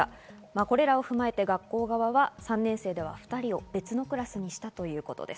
これらを踏まえて学校側は３年生では２人を別のクラスにしたということです。